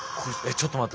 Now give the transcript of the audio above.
ちょっと待って。